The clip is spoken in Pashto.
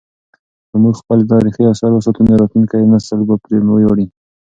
که موږ خپل تاریخي اثار وساتو نو راتلونکی نسل به پرې ویاړي.